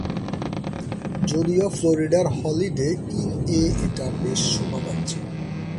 যদিও ফ্লোরিডার হলিডে ইন-এ এটা বেশ শোভা পাচ্ছে।